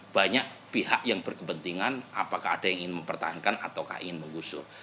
banyak pihak yang berkepentingan apakah ada yang ingin mempertahankan ataukah ingin mengusung